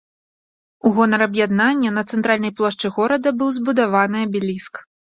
У гонар аб'яднання на цэнтральнай плошчы горада быў збудаваны абеліск.